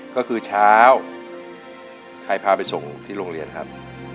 ก็คือเช้าใครพาไปส่งที่โรงเรียนครับ